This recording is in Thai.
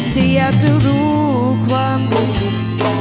ที่อยากจะรู้ความรู้สึก